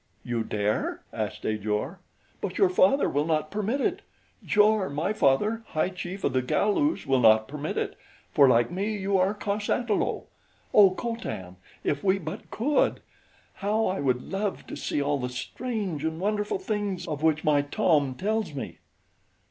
"You dare?" asked Ajor. "But your father will not permit it Jor, my father, High Chief of the Galus, will not permit it, for like me you are cos ata lo. Oh, Co Tan, if we but could! How I would love to see all the strange and wonderful things of which my Tom tells me!"